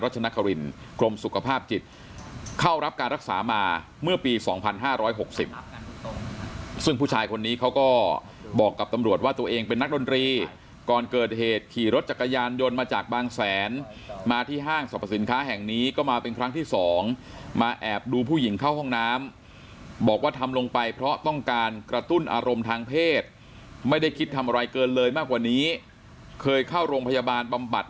ชิดเข้ารับการรักษามาเมื่อปีสองพันห้าร้ายหกสิบพี่ผู้ชายคนนี้เขาก็บอกกับตำรวจว่าตัวเองเป็นนักดนตรีก่อนเกิดเหตุขี่รถจักรยานยนต์มาจากบางแสนมาที่ห้างสรรพสินค้าแห่งนี้ก็มาเป็นครั้งที่สองมาแอบดูผู้หญิงเข้าห้องน้ำบอกว่าทำ